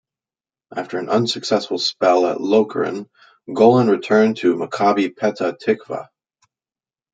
After an unsuccessful spell at Lokeren, Golan returned to Maccabi Petah Tikva.